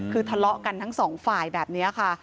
คือทะเลาะกันทั้งสองฝ่ายแบบนี้ค่ะ